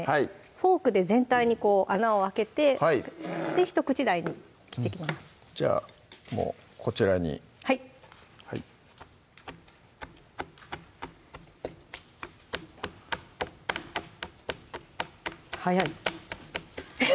フォークで全体にこう穴を開けてで１口大に切っていきますじゃもうこちらにはい早い！